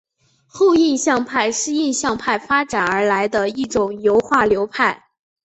后印象派是印象派发展而来的一种油画流派。